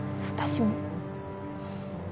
私も。